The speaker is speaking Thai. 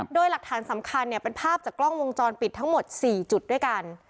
โดยหลักฐานสำคัญเป็นภาพจากกล้องวงจรปิดทั้งหมด๔จุดด้วยกัน